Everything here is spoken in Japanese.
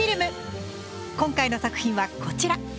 今回の作品はこちら。